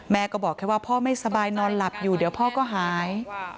แม่ก็บอกแค่ว่าพ่อไม่สบายนอนหลับอยู่เดี๋ยวพ่อก็หาย